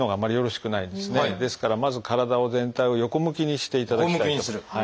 ですからまず体を全体を横向きにしていただきたいと。